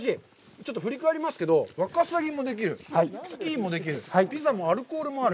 ちょっと振り返りますけど、ワカサギもできる、スキーもできる、ピザもアルコールもある。